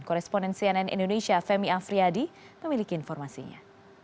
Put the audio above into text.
koresponen cnn indonesia femi afriyadi memiliki informasinya